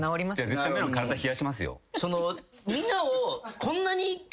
絶対メロン体冷やしますよ。